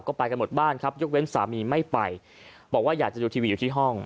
ก็ไปกันหมดบ้านครับยกเว้นสามีไม่ไปบอกว่าอยากจะดูทีวีอยู่ที่ห้อง